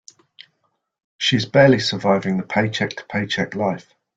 She is barely surviving the paycheck to paycheck life.